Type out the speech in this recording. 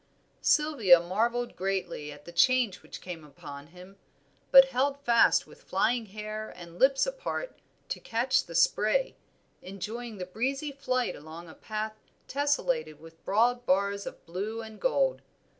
Sylvia marvelled greatly at the change which came upon him, but held fast with flying hair and lips apart to catch the spray, enjoying the breezy flight along a path tessellated with broad bars of blue and gold.